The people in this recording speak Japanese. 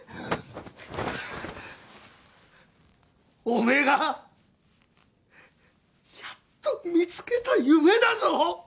おめえがやっと見つけた夢だぞ！？